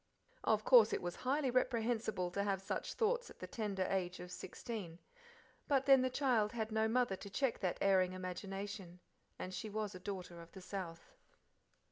Of course it was highly reprehensible to have such thoughts at the tender age of sixteen, but then the child had no mother to check that erring imagination, and she was a daughter of the South.